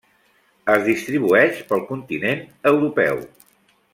Es distribueix pel continent europeu.